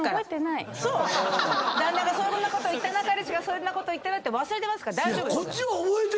旦那がそんなこと言ったな彼氏がそんなこと言ったなって忘れてますから大丈夫ですよ。